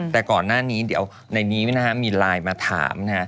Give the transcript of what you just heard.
แต่ก่อนหน้านี้เดี๋ยวในนี้นะฮะมีไลน์มาถามนะฮะ